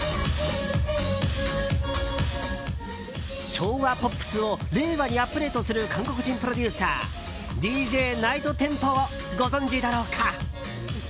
昭和ポップスを令和にアップデートする韓国人プロデューサーＤＪＮｉｇｈｔＴｅｍｐｏをご存じだろうか。